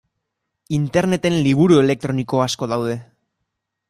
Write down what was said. Interneten liburu elektroniko asko daude.